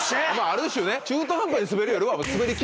ある種中途半端にスベるより。